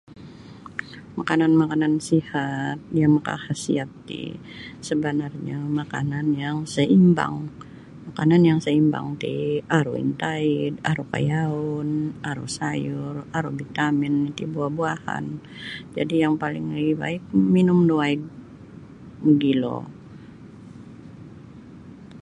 Makanan-makanan sihat yang makahasiat ti sabanarnyo makanan yang saimbang makanan yang saimbang ti aru intaid aru kayaun aru sayur aru bitamin iti buah-buahan jadi' yang paling lebih baik minum da waig mogilo.